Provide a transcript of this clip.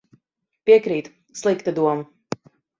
Piekrītu. Slikta doma.